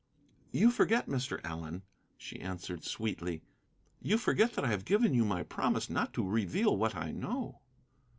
"You forget, Mr. Allen," she answered sweetly, "you forget that I have given you my promise not to reveal what I know."